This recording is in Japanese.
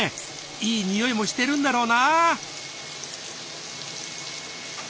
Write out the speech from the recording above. いい匂いもしてるんだろうなぁ。